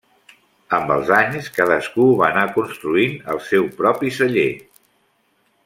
Amb els anys, cadascú va anar construint el seu propi celler.